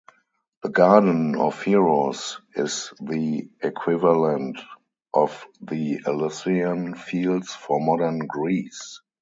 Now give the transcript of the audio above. The Garden of Heroes is the equivalent of the Elysian Fields for modern Greece.